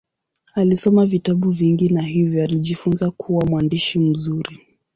Alisoma vitabu vingi na hivyo alijifunza kuwa mwandishi mzuri.